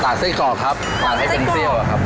ไส้กรอกครับตาดให้เป็นเปรี้ยวอะครับ